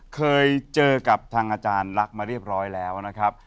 เคยเจอกับทางอาจารย์ลักษณ์มาเรียบร้อยแล้วนะครับ